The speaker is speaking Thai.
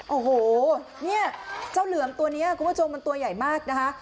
โอ้โหเนี่ยเจ้าเหลือมตัวนี้คุณผู้ชมมันตัวใหญ่มากนะคะ